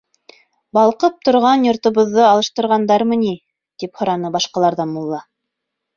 Балҡып торған йортобоҙҙо алыштырғандармы ни! — тип һораны башҡаларҙан мулла.